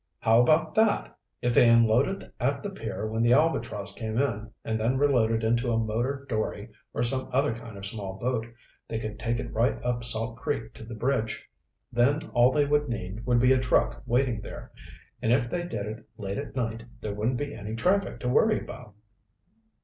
"How about that? If they unloaded at the pier when the Albatross came in and then reloaded into a motor dory or some other kind of small boat, they could take it right up Salt Creek to the bridge. Then all they would need would be a truck waiting there. And if they did it late at night, there wouldn't be any traffic to worry about."